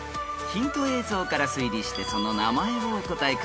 ［ヒント映像から推理してその名前をお答えください］